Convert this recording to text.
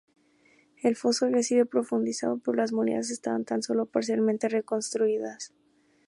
El foso había sido profundizado pero las murallas estaban tan solo parcialmente reconstruidas.